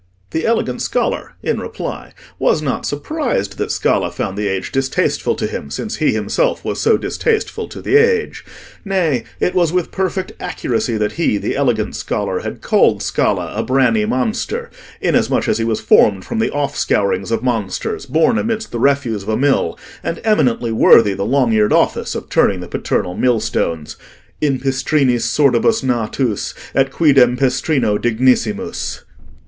The elegant scholar, in reply, was not surprised that Scala found the Age distasteful to him, since he himself was so distasteful to the Age; nay, it was with perfect accuracy that he, the elegant scholar, had called Scala a branny monster, inasmuch as he was formed from the off scourings of monsters, born amidst the refuse of a mill, and eminently worthy the long eared office of turning the paternal millstones (in pistrini sordibus natus et quidem pistrino dignissimus)!